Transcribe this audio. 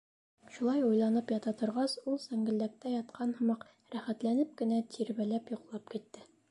Шулай уйланып ята торғас, ул, сәңгелдәктә ятҡан һымаҡ, рәхәтләнеп кенә тирбәлеп йоҡлап китте.